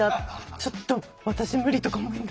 ちょっと私無理とか思った。